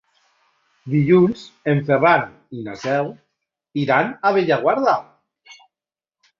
Dilluns en Ferran i na Cel iran a Bellaguarda.